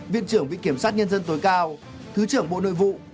viên trưởng vị kiểm sát nhân dân tối cao thứ trưởng bộ nội vụ